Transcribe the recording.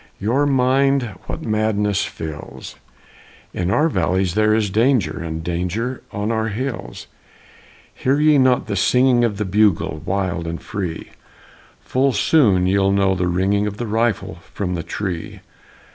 Your mind what madness fills? In our valleys there is danger, And danger on our hills! Hear ye not the singing Of the bugle, wild and free? Full soon ye'll know the ringing Of the rifle from the tree!